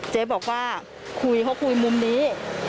เจ๊บอกว่าคุยเขาคุยมุมนี้